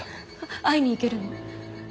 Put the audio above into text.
会いに行けるの？